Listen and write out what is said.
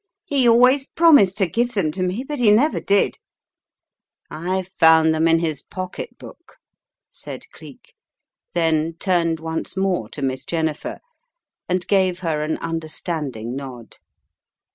"He always promised to give them to me, but he never did." "I found them in his pocketbook," said Cleek, then turned once more to Miss Jennifer and gave her an understanding nod.